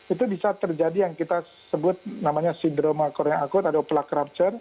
itu bisa terjadi yang kita sebut namanya sindroma koronel akut atau plaque rupture